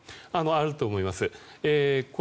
あると思います。